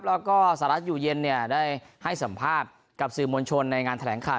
แล้วก็สหรัฐอยู่เย็นได้ให้สัมภาษณ์กับสื่อมวลชนในงานแถลงข่าว